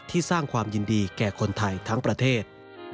สร้างความยินดีแก่คนไทยทั้งประเทศ